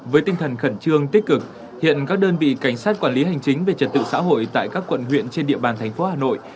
với tinh thần khẩn trương tích cực hiện các đơn vị cảnh sát quản lý hành chính về trật tự xã hội tại các quận huyện trên địa bàn thành phố hà nội